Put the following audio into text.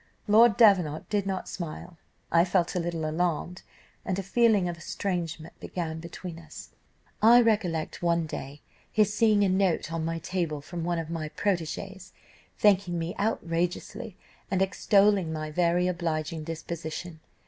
Lord Davenant did not smile. I felt a little alarmed, and a feeling of estrangement began between us. "I recollect one day his seeing a note on my table from one of my protegés, thanking me outrageously, and extolling my very obliging disposition.